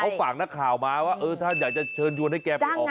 เขาฝากนักข่าวมาว่าเออถ้าอยากจะเชิญชวนให้แกไปออก